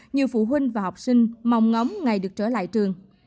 nhiều phụ huynh và học sinh mong ngóng ngày được trở lại trường